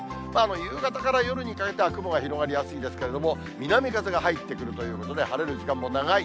夕方から夜にかけては雲が広がりやすいですけれども、南風が入ってくるということで、晴れる時間も長い。